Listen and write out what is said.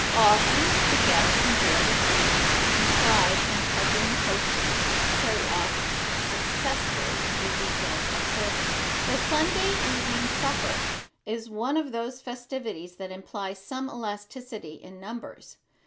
Often the guests enjoy the freedom implied in helping the hostess carry off successfully the details of serving. The Sunday evening supper is one of those festivities that imply some elasticity in numbers.